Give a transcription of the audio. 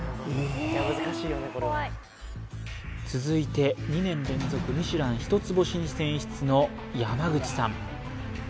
続いて２年連続ミシュラン一つ星に選出の山口さん